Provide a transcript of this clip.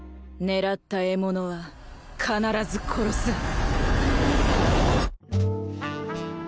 狙った獲物は必ず殺す！